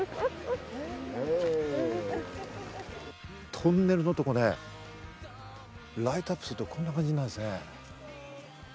トンネルのところね、ライトアップすると、こんな感じになるんですね。